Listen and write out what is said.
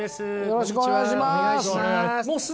よろしくお願いします。